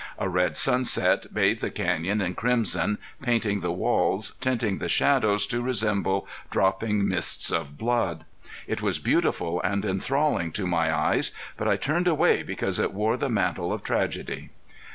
A red sunset bathed the canyon in crimson, painting the walls, tinting the shadows to resemble dropping mists of blood. It was beautiful and enthralling to my eyes, but I turned away because it wore the mantle of tragedy.